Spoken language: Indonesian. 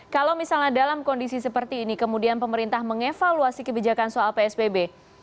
kalau misalnya dalam kondisi seperti ini kemudian pemerintah mengevaluasi kebijakan soal psbb